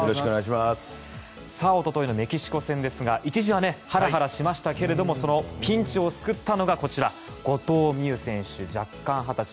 おとといのメキシコ戦ですが一時はハラハラしましたがそのピンチを救ったのがこちら、後藤希友選手弱冠２０歳。